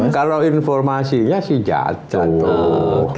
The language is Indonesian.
kalau informasinya sih jatuh